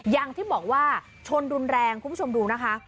อย่างที่บอกว่าชนรุนแรงคุณผู้ชมดูนะคะ